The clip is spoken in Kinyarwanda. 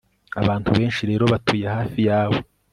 Abantu benshi rero batuye hafi yawe